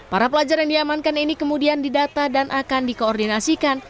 para pelajar yang diamankan ini kemudian didata dan akan dikoordinasikan